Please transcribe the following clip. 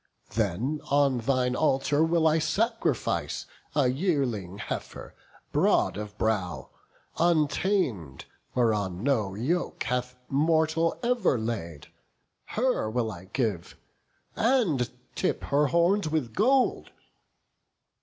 Then on thine altar will I sacrifice A yearling heifer, broad of brow, untam'd, Whereon no yoke hath mortal ever laid: Her will I give, and tip her horns with gold."